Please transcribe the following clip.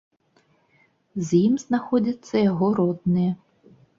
З ім знаходзяцца яго родныя.